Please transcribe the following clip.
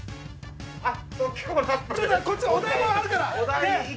こっちにお題があるから。